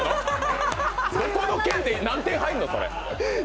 どこの県で何点入んの？